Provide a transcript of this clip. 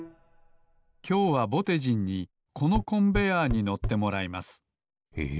きょうはぼてじんにこのコンベアーに乗ってもらいますええっ？